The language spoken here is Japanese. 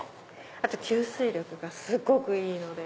あと吸水力がすごくいいので。